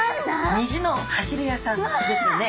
にじの走り屋さんですね。